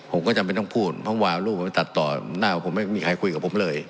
ผมก็จำเป็นต้องพูดเพราะว่าเอารูปผมไปตัดต่อหน้าผมไม่มีใครคุยกับผมเลย